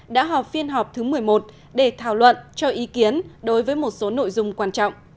đã họp phiên họp thứ một mươi một để thảo luận cho ý kiến đối với một số nội dung quan trọng